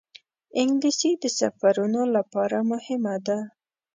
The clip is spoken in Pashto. انګلیسي د سفرونو لپاره مهمه ده